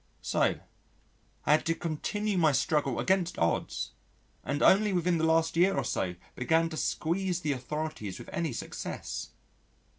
So I had to continue my struggle against odds, and only within the last year or so began to squeeze the authorities with any success.